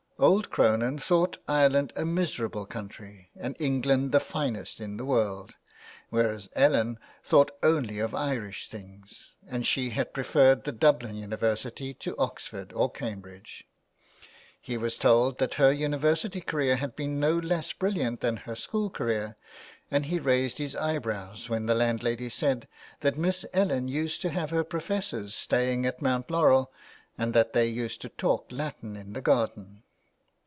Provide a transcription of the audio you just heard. Old Cronin thought Ireland a miser able country and England the finest in the world, whereas Ellen thought only of Irish things, and she had preferred the Dublin University to Oxford or Cambridge. He was told that her university career had been no less brilliant than her school career, and he raised his eyebrows when the landlady said that Miss Ellen used to have her professors staying at Mount Laurel, and that they used to talk Latin in the garden.